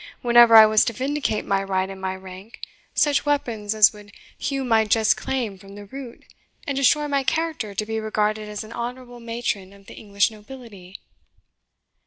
whenever I was to vindicate my right and my rank, such weapons as would hew my just claim from the root, and destroy my character to be regarded as an honourable matron of the English nobility!"